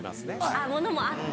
あっものもあって。